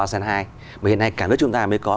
ba x hai mà hiện nay cả nước chúng ta mới có